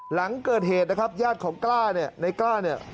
หลังเกิดเหตุนะครับญาติของกล้าเนี่ยในกล้าเนี่ย